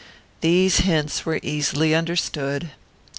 These hints were easily understood.